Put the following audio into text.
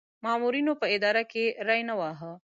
مامورینو په اداره کې ری نه واهه.